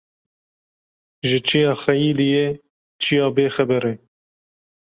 Ji çiya xeyîdiye çiya bê xeber e